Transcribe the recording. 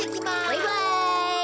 バイバイ。